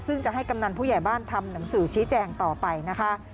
ซึ่งจะให้กำนันผู้ใหญ่บ้านทำหนังสือชี้แจงต่อไปนะคะ